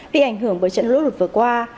bị ảnh hưởng bởi trận lũ lụt vừa qua